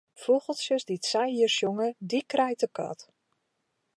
Fûgeltsjes dy't sa ier sjonge, dy krijt de kat.